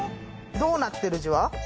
どうなってるじわ？